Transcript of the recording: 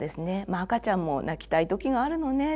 「まあ赤ちゃんも泣きたい時があるのね。